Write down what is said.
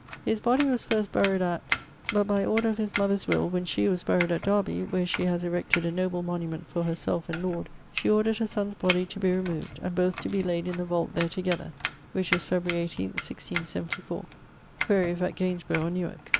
His body was first buried at ...,[XL.] but by order of his mother's will, when she was buried at Darby (where she has erected a noble monument for herselfe and lord) she ordered her sonne's body to be removed, and both to be layd in the vault there together, which was Feb. 18, 1674. [XL.] Quaere if at Gainsborough or Newark?